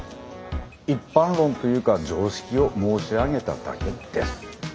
一般論というか常識を申し上げただけです。